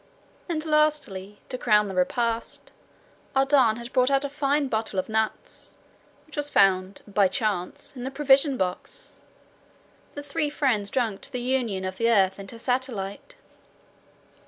And lastly, to crown the repast, Ardan had brought out a fine bottle of Nuits, which was found "by chance" in the provision box. The three friends drank to the union of the earth and her satellite.